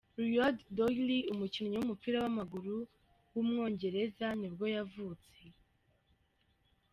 Lloyd Doyley, umukinnyi w’umupira w’amaguru w’umwongereza nibwo yavutse.